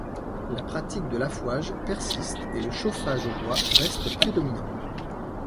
La pratique de l'affouage persiste et le chauffage au bois reste prédominant.